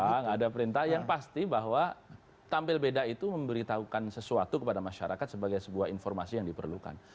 tidak ada perintah yang pasti bahwa tampil beda itu memberitahukan sesuatu kepada masyarakat sebagai sebuah informasi yang diperlukan